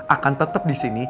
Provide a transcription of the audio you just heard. akan tetep disini